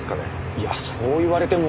いやそう言われても。